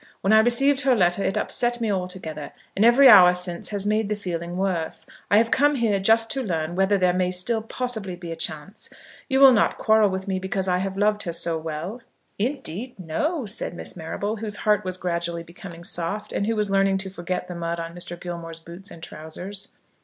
When I received her letter it upset me altogether, and every hour since has made the feeling worse. I have come here just to learn whether there may still possibly be a chance. You will not quarrel with me because I have loved her so well?" "Indeed no," said Miss Marrable, whose heart was gradually becoming soft, and who was learning to forget the mud on Mr. Gilmore's boots and trousers.